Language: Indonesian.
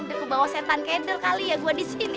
nanti kebawa setan kedel kali ya gua disini